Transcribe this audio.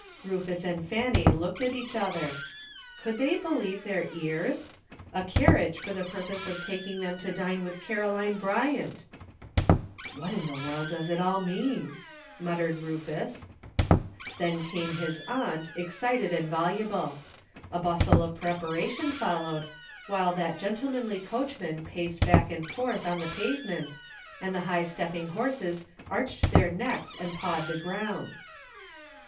Rufus and Fanny looked at each other. Could they believe their ears? A carriage for the purpose of taking them to dine with Caro line Bryant ! ''What in the world does it all mean? " mut tered Rufus. Then came his aunt, excited and voluble. A bustle of preparation followed, while that gen ENTERTAINING COMPANY. 277 tlemanly coachman paced back and forth on the pavement, and the high stepping horses arched their necks and pawed the ground.